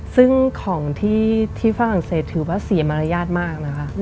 ซึ่งของที่ฝรั่งเศสถือว่าเสียมารยาทมากนะคะ